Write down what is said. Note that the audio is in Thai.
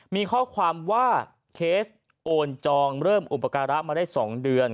มีข้อความว่าเคสโอนจองเริ่มอุปการะมาได้๒เดือน